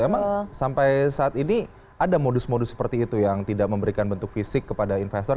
emang sampai saat ini ada modus modus seperti itu yang tidak memberikan bentuk fisik kepada investor